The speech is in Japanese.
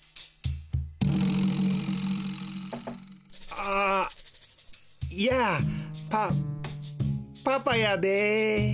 あやあパパパやで。